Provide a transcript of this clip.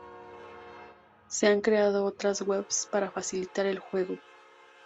Se han creado otras webs para facilitar el juego.